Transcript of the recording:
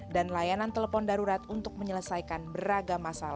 dan layanan telepon darurat untuk menyelesaikan beragam hal